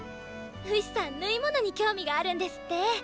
フシさん縫い物に興味があるんですって。